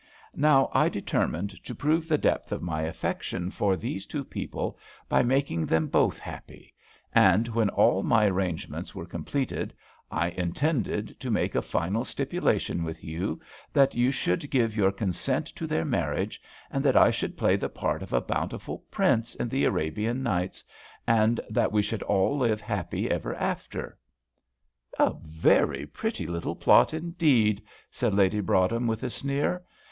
Now, I determined to prove the depth of my affection for these two people by making them both happy, and when all my arrangements were completed I intended to make a final stipulation with you, that you should give your consent to their marriage, and that I should play the part of a bountiful prince in the Arabian Nights, and that we should all live happy ever after." "A very pretty little plot indeed," said Lady Broadhem, with a sneer.